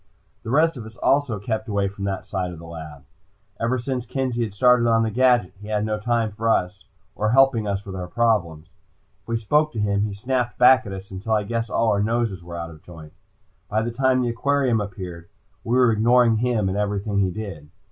The rest of us also kept away from that side of the lab. Ever since Kenzie had started on the gadget, he had no time for us, or helping us with our problems. If we spoke to him he snapped back at us, until I guess all our noses were out of joint. By the time the aquarium appeared, we were ignoring him and everything he did.